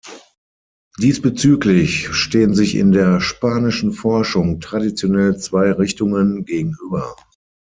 Diesbezüglich stehen sich in der spanischen Forschung traditionell zwei Richtungen gegenüber.